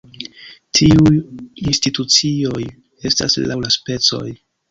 Tiuj institucioj estas laŭ la specoj.